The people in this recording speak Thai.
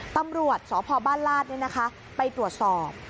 ตำรวจสพบ้านลาดไปตรวจสอบ